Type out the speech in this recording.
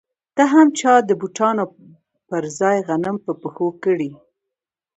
نه هم چا د بوټانو پر ځای غنم په پښو کړي